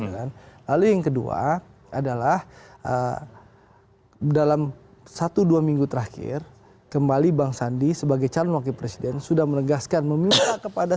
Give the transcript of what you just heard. lalu yang kedua adalah dalam satu dua minggu terakhir kembali bang sandi sebagai calon wakil presiden sudah menegaskan meminta kepada